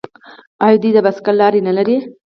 آیا دوی د بایسکل لارې نلري؟